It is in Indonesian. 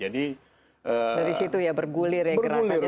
dari situ ya bergulir ya gerakannya